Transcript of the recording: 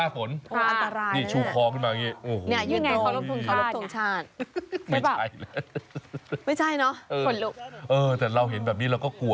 อัตรายชูคอขึ้นมา